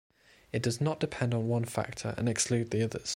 It does not depend on one factor and exclude the others.